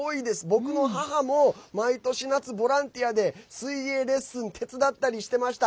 僕の母も毎年夏、ボランティアで水泳レッスン手伝っていました。